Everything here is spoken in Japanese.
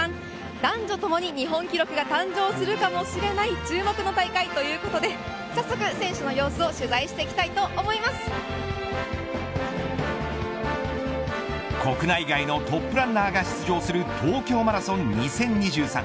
男女ともに日本記録が誕生するかもしれない注目の大会ということで早速、選手の様子を国内外のトップランナーが出場する東京マラソン２０２３。